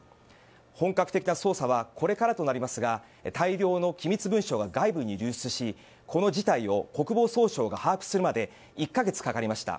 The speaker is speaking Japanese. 本格的な捜査はこれからとなりますが大量の機密文書が外部に流出しこの事態を国防総省が把握するまで１か月かかりました。